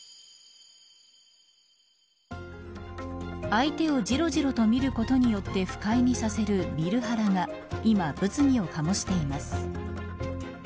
相手をじろじろと見ることによって不快にさせる見るハラが今、物議を醸しています。